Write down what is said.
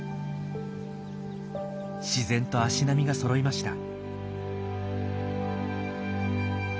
自然と足並みがそろいました。